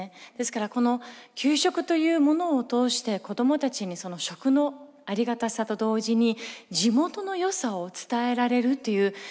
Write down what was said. ですからこの給食というものを通して子どもたちにその食のありがたさと同時に地元のよさを伝えられるっていう。